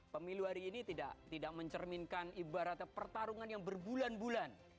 pemilu hari ini tidak mencerminkan ibaratnya pertarungan yang berbulan bulan